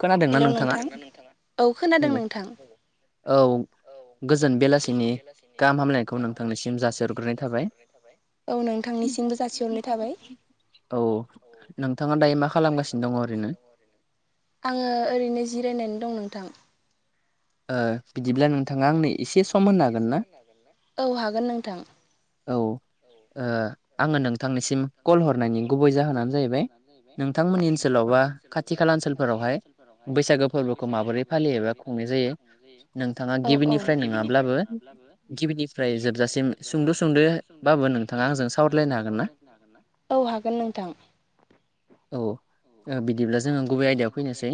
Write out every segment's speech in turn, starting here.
खोनादोंना नोंथाङा? औ औ गोजोन बेलासिनि गाहाम हामलायनायखौ नोंथांनिसिम जासिहरग्रोनाय थाबाय [unintelligible] [unintelligible] औ नोंथाङा दायो मा खालामगासिनो दङ ओरैनो आङो ओरैनो जिरायनानै दं नोंथां बिदिब्ला नोंथाङा आंनो एसे सम होनो हागोन ना? औ ओ आङो नोंथांनिसिम कल हरनायनि गुबै जाहोनानो जाहैबाय नोंथांमोननि ओनसोलावबा खाथि खा खाल ओनसोलफोरावहाय बैसागो फोरबोखौ माबोरै फालियोबा खुंनाय जायो? नोंथाङा गिबिनिफ्राय नोङाब्लाबो गिबिनिफ्राय जोबजासिम म सुंद' सुंदोबाबो नोंथाङा आंजों सावरायलायनो हागोन ना? औ हागोन नोंथां औ ओ बिदिब्ला जोङो गुबै आयदायाव फैनोसै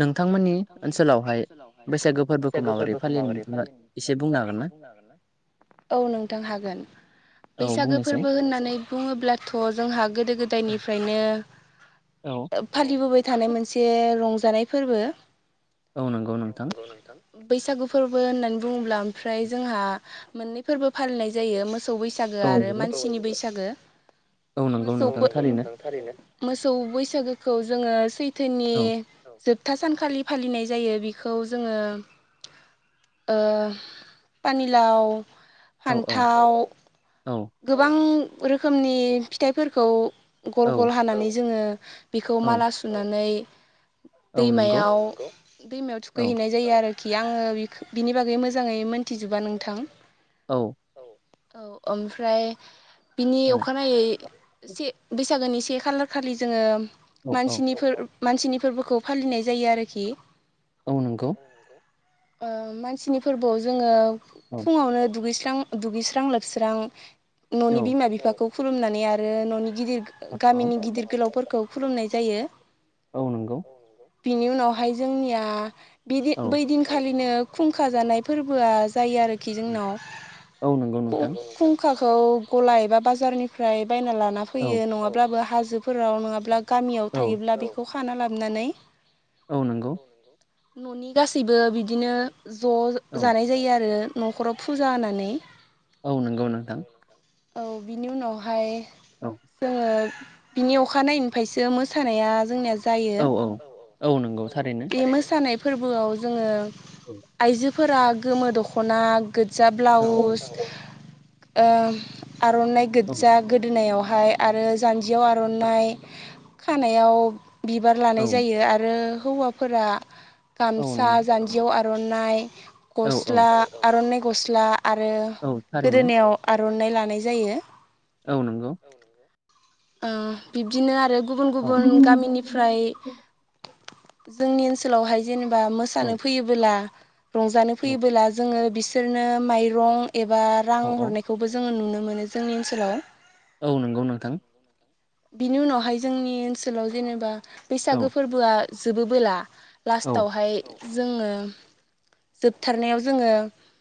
नोंथां नोंथांमोननि ओनसोलावहाय बैसागो फोरबोखौ माबोरै फालिनो? एसे बुंनो हागोनना? औ नोंथां हागोन बैसागो फोरबो होननानै बुङोब्लाथ' जोंहा गोदो गोदायनिफ्रायनो फालिबोबाय थानाय मोनसे रंजानाय फोरबो औ नोंगौ नोंथां बैसागु फोरबो होननानै बुङोब्ला ओमफ्राय जोंहा मोननै फोरबो फालिनाय जायो मो मोसौ बैसागो आरो मानसिनि बैसागो मोसौ [unintelligible] नोंथां थारैनो मोसौ बैसागोखौ जोङो सैथोनि जोबथा सानखालि फालिनाय जायो बेखौ जोङो पानिलाव फान्थाव गोबां रोखोमनि फिथाइफोरखौ गल गल हानानै जोङो बिखौ माला सुनानै दैमायाव दैमायाव थुखैहैनाय जायो आरो खि आङो [unintelligible] बिनि बागै मोजाङै मोनथिजोबा नोंथां औ औ ओमफ्राय बिनि अखानायै से बैसागोनि से से खालार खालि जोङो मानसिनि [unintelligible] मानसिनि फोरबोखौ फालिनाय जायो आरोखि औ नोंगौ ओ मानसिनि फोरबोआव जोङो फुङावनो दुगैस [unintelligible] दुगैस्रां लोबस्रां न'नि बिमा बिफाखौ खुलुमनानै आरो न'नि गिदिर गामिनि गिदिर गोलावफोरखौ खुलुमनाय जायो। बिनि उनावहाय जोंनिया बिदि बै दिनखालिनो खुंखा जानाय फोरबोआ जायो आरोखि जोंनाव, [unintelligible] फुंखाखौ गला एबा बाजारनिफ्राय बायना लाना फैयो नङाब्लाबो हाजोफोराव नङाब्ला गामियाव थायोब्ला बेखौ खाना लाबोननानै औ नोंगौ। न'नि गासैबो बिदिनो ज' जानाय जायो आरो। न'खराव फुजा होनानै। औ नंगौ नोंथां। औ बिनि उनावहाय जोङो बिनि अखानायैनायनिफ्रायसो मोसानाया जोंनिया जायो। [unintelligible] बे मोसानाय फोर्बोआव जोङो आइजोफोरा गोमो दख'ना गोजा ब्लाउस। ओ आर'नाइ गोज्जा गोदोनायाव हाय आरो जान्जियाव आर'नाइ खानायाव बिबार लानाय जायो आरो हौवाफोरा गामसा जान्जियाव आर'नाइ गस्ला आरननाय गस्ला आरो गोदोनायाव आर'नाइ लानाय जायो। औ नंगौ। ओ बिब्दिनो आरो गुबुन गुबुन गामिनिफ्राय जोंनि ओनसोलावहाय जेनेबा मोसानो फैयोबोला, रंजानो फैयोबोला, जोङो बिस रनो माइरं एबा रां हरनायखौबो जोङो नुनो मोनो जोंनि ओनसोलाव। औ नंगौ नोंथां। बिनि उनावहाय जोंनि ओनसोलाव जेनेबा बैसागो फोरबोआ जोबोबोला लास्टावहाय जोङो जोबथारनायाव जोङो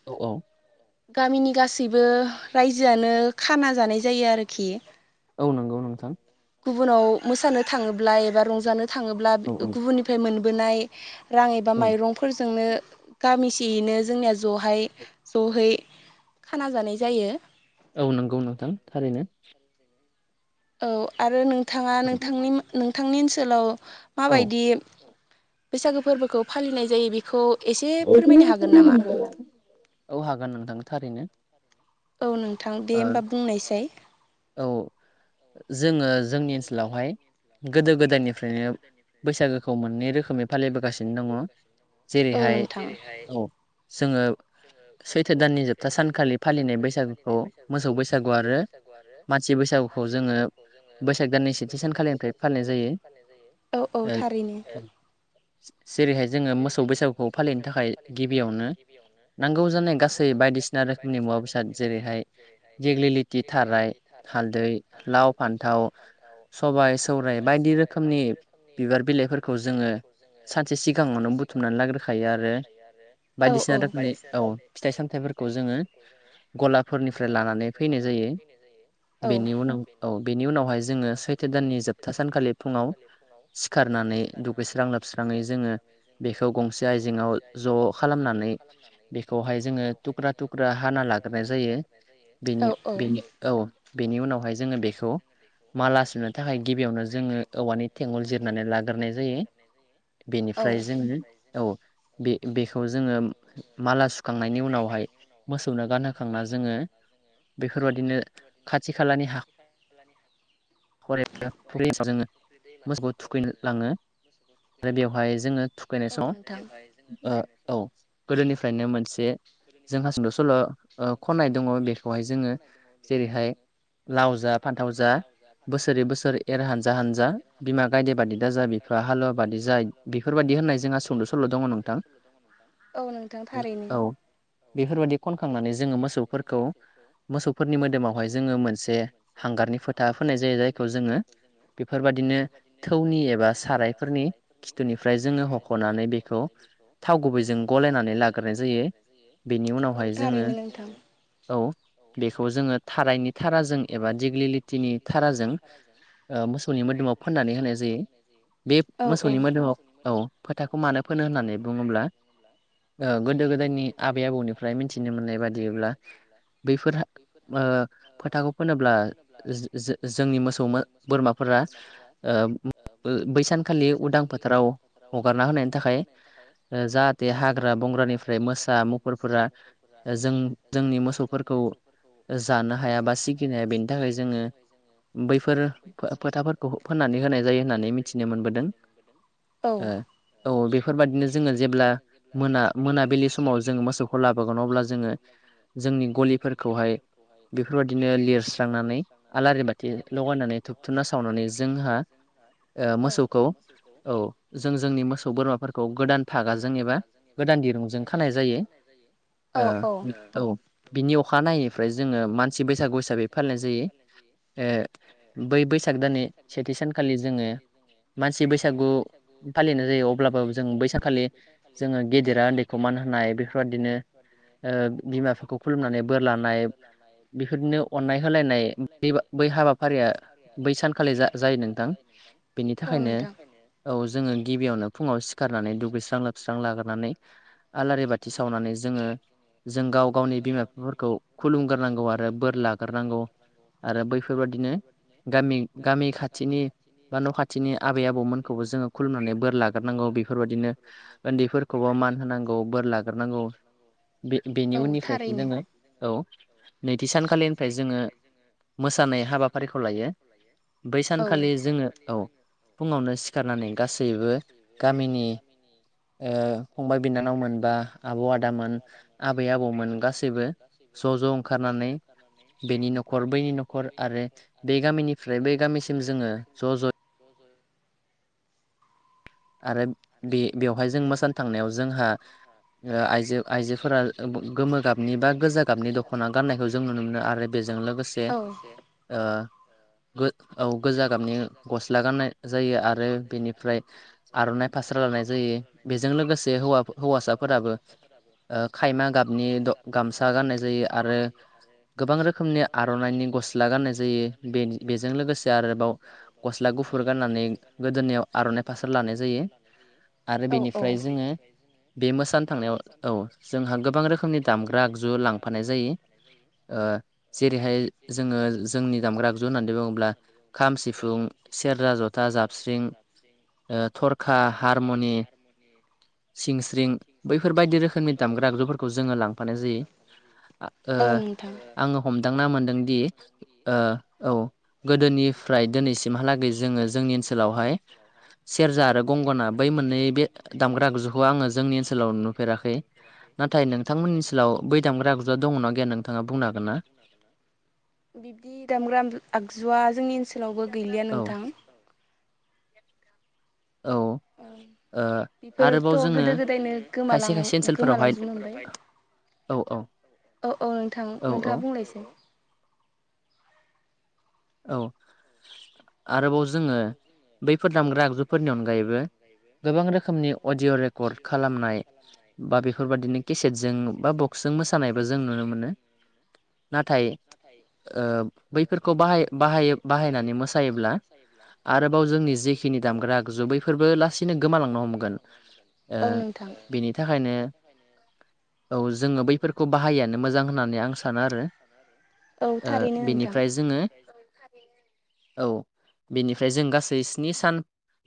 औ औ। गामिनि गासैबो रायजोआनो खाना जानाय जायो आरोखि। औ नंगौ नोंथां। गुबुनाव मोसानो थाङोब्ला एबा रंजानो थाङोब्ला गुबुननिफ्राय मोनबोनाय रां एबा माइरंफोरजोंनो गामिसेयैनो जोंनिया जहाय जहै खाना जानाय जायो। औ आरो नोंथाङा नोंथांनि नोंथांनि ओनसोलाव माबायदि बैसागु फोरबोखौ फालिनाय जायो बेखौ [unintelligible] औ हागोन नोंथांनो थारैनो। औ नोंथां दे होमबा बुंनायसै। जोङो जोंनि ओनसोलावहाय गोदो गोदायनिफ्रायनो बैसागोखौ मोननै रोखोमै फालिबोगासिनो दङ। औ नोंथां। जोङो सैथो दाननि जोबथा सानखालि फालिनाय बैसागुखौ मोसौ बैसागु आरो मानसि बैसागुखौ जोङो बैसाग दाननि सेथि सानखालिनिफ्राय फालिनाय जायो। [unintelligible] औ औ थारैनो। जेरै जोङो मोसौ बैसागुखौ फालिनो थाखाय गिबियावनो नांगौ जानाय गासै बायदिसिना रोखोमनि मुवाबा बेसाद जेरैहाय जेगलिलिटि थाराय, हालदै, लाव फान्थाव, सबाय सौराय, बायदि रोखोमनि बिबार बिलाइफोरखौ जोङो सानसे [inaudible] औ औ [inaudible] गलाफोर निफ्राय लानानै फैनाय जायो। बेनि उनाव औ बेनि उनावहाय जोङो सैथो दाननि जोब थासानखालि फुङाव सिखारनानै दुगैस्रां लोबस्राङै जों ङो बेखौ गंसे आइजेङाव ज खालामनानै बेखौहाय जोङो थुख्रा थुख्रि हाना लाग्रोनाय जायो। बिनि बिनि औ बेनि उनावहाय जोङो बेखौ माला सुनो थाखाय गिबियावनो जोङो औवानि थेवोल जिरनानै लाग्रोनाय जायो। बेनिफ्राय जोङो औ बे बेखौ जोङो माला सुखांनायनि उनावहाय मोसौनो गानहोखांना बेफोरबादिनो खाथि खालानि हा [inaudible] मोसौखौ थुखैनो लाङो आरो बेवहाय जोङो थुखैनाय समाव ओ औ गोदोनिफ्रायनो मोनसे जोंहा सुंद' सल' ओ नाय दङ बेखौहाय जोङो जेरैहाय लाव जा फाथाव जा बोसोरै बोसोर एर हानजा हानजा बिमा गायदे बादे दा जा बिफा हालुवा बादि जा [inaudible] औ नोंथां थारैनो। बेफोरबायदि खनखांनानै जोङो मोसौफोर खौ मोसौफोरनि मोदोमावहाय जोङो मोनसे हांगारनि फोथा फोनाय जायो जायखौ जोङो बेफोरबादिनो थौनि एबा सारायफोरनि खिथुनिफ्राय जोङो हख'नानै बेखौ थाव गुबैजों गलायनानै लाग्रोनाय जायो। बेनि उनावहाय जोङो औ बेखौ जोङो थारायनि थाराजों एबा दिगलिलिटिनि थाराजों मोसौनि मो दोमाव फोननानै होनाय जायो बे मो सौनि मोदोमाव औ फोथाखौ मानो फोनो होननानै बुङोब्ला ओ गोदो गोदायनि आबै आबौनिफ्राय मिथिनो मोननाय बादिब्ला बै फोथा ओ फोथाखौ फोनोब्ला जो जो जोंनि मोसौ बोरमा- फोरा ओ बैसानखालि उदां फोथाराव हगारना होनायनि थाखाय जाहाथे हाग्रा बंग्रानिफ्राय मोसा मुुफुर मोसा मुफुरफोरा जों जोंनि मोसौफोरखौ जानो हाया बा सिगिनो हाया बेनि थाखाय जोङो बैफोर फोथाफोरखौ फोननानै होनाय जायो होननानै मिथिनो मोनबोदों औ औ बेफोरबादिनो जोङो जेब्ला मोना मोनाबिलि समाव जोङो मोसौखौ लाबोगोन अब्ला जोङो जोंनि गलिफोरखौहाय बेफोरबायदिनो लिरस्रांनानै आलारि बाथि लगायनानै धुपधुना सावनानै जोंहा मोसौखौ औ जों जोंनि मोसौ बोरमाफोरखौ गोदान फागाजों एबा गोदान दिरुंजों खानाय जायो। ओ औ बिनि अखानायैनिफ्राय जोङो मानसि बैसागु हिसाबै फालिनाय जायो ओ बै बैसाग दानानि सेथि सानखालि जोङो मानसि बैसा गु फालिनाय जायो अब्लाबो जों बैसानखालि जोङो गेदेरा उन्दैखौ मान होनाय बेफोरबादि बिदिनो ओ बिमा बिफाखौ खुलुमनानै बोर लानाय बेफोरदिनो अननाय होलायनाय बै बै हाबाफारिया बै सानखालि जा जायो नोंथां बेनि थाखायनो औ जोङो गिबियावनो फुङाव सिखारनानै दुगैस्रां लोबस्रां लाग्रोनानै आलारि बाथि साव नानै जोङो जों गाव गावनि बिमा बिफाफोरखौ खुलुमग्रोनांगौ आरो बोर लाग्रोनांगौ आरो बैफोरबा दिनो गामि गामि खाथिनि बा न' खाथिनि आबै आ बौमोनबो जोङो खुलुमनानै बोर लाग्रोनांगौ बेफोरबायदिनो उन्दैफोरखौबो मान होनांगौ बोर लागोर लागोरनांगौ बे बेनि उननिफ्रायसो जोङो औ नैथि सानखालिनिफ्राय जोङो मोसानाय हाबाफारिखौ लायो बै सानखालि जोङो औ। फुङावनो सिखारनानै गासैबो गामिनि ओ फंबाय बिनानावमोन बा आब' आदामोन आबै आबौमोन गासैबो ज' ज' ओंखारनानै बेनि न'खर बैनि न'खर आरो बे गामिनिफ्राय बै गामिसिम जोङो ज' ज' आरो बे बेवहाय जों मोसानो थांनायाव जोंहा आइजो आइजोफोरा गोमो गाबनि बा गोजा गाबनि दख'ना गाननायखौ जों नुनो मोनो आरो बेजोंनो औ औ गोजा गाबनि गस्ला गाननाय जायो आरो बेनिफ्राय आर'नाइ फास्रा लानाय जायो बेजों लोगोसे हव हौवासाफोराबो खायमा गाब गामसा गाननाय जायो आरो गोबां रोखोमनि आर'नाइनि गस्ला गाननाय जायो बेजों लोगोसे आरोबाव गस्ला गुफुर गाननानै गोदोनियाव आर'नाइ फास लानाय जायो आरो बेनिफ्राय जोङो बे मोसानो थांनायाव औ जोंहा गोबां रोखोमनि दामग्रा आगजु लांफानाय जायो जेरैहाय जोङो जोंनि दामग्रा आगजु होननानै बुङोब्ला खाम सिफुं सेरजा जथ [inaudible] थरखा हारमनि सिंस्रिं बैफोरबायायदि रोखोमनि दामग्रा आगजुफोरखौ जोङो लांफानाय जायो। ओ आङो हमदांना मोनदों दि ओ औ गोदोनिफ्राय दिनैसिम हालागै जोङो जोंनि ओनसोलावहाय सेरजा आरो गंगना बै मोननै बे दामग्रा गोगजुखौ आङो जोंनि ओनसोलाव नुफेराखै नाथाय नोंथांमोननि सोलाव बै दामग्रा आगजु आ दङ ना गैया नोंथाङा बुंनो हागोन ना? बिब्दि दामग्राम आगजुआ जोंनि ओनसोलावबो गैलिया नोंथां औ । औ बेफोरथ' गोदो गोदायनो गोमालां गोमालांजोबनो मोनबाय औ औ नोंथां नोंथाङा बुंलायसै [inaudible] औ आरोबाव जोङो बैफोर दामग्रा आगजुफोरनि अन गायैबो गोबां रोखोमनि अडिय' रेकर्ड खालामनाय बा बेफोरबाददिनो केसेटजों बा बक्सजों मोसानायबो जों नुनो मोनो। नाथाय ओ बैफोरखौ बाहाय बाहाय बाहायनानै मोसायोब्ला आरोबाव जोंनि जिखिनि दामग्रा आगजु बैफोरबो लासैनो गोमालांनो हमगोन बेनि थाखायनो [inaudible] औ जोङो बैफोरखौ बाहायानो मोजां होननानै आं सानो आरो बेनिफ्राय ओमफ्राय जोङो औ बेनिफ्राय जों गासै स्नि सान